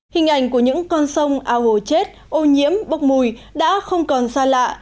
hình ảnh của những con sông ao hồ chết ô nhiễm bốc mùi đã không còn xa lạ